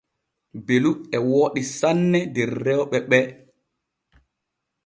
Belu e wooɗi sanne der rewɓe ɓe.